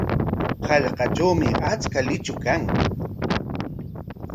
Hallqatrawmi achka luychu kan.